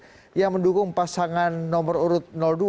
sejumlah kader yang mendukung pasangan nomor urut dua